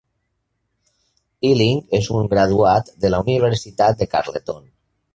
Illing és un graduat de la Universitat de Carleton.